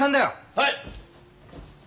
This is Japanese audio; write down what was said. はい！